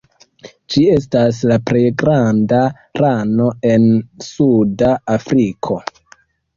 Ĝi estas la plej granda rano en Suda Afriko.